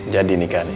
jadi nikah nih